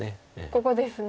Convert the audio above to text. ここですね。